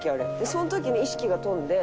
その時に意識が飛んで。